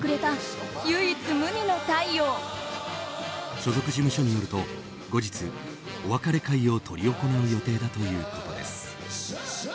所属事務所によると後日、お別れ会を執り行う予定だということです。